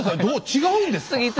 どう違うんですか？